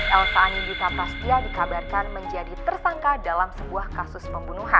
elsa andika prastia dikabarkan menjadi tersangka dalam sebuah kasus pembunuhan